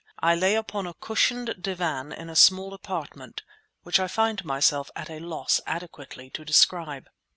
I lay upon a cushioned divan in a small apartment which I find myself at a loss adequately to describe.